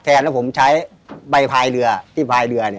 แล้วผมใช้ใบพายเรือที่พายเรือ